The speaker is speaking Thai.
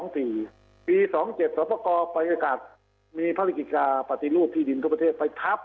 ปี๒๗สอปกรไปประกาศมีภารกิจกราบปฏิรูปที่ดินทุกประเทศไปทับ